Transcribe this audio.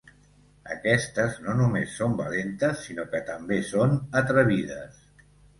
Aquestes no només són valentes sinó que també són atrevides.